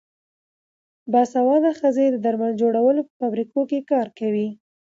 باسواده ښځې د درمل جوړولو په فابریکو کې کار کوي.